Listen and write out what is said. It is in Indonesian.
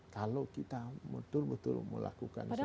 kalau kita betul betul melakukan sesuatu